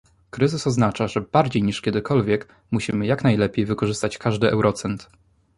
Kryzys oznacza, że bardziej niż kiedykolwiek, musimy jak najlepiej wykorzystać każdy eurocent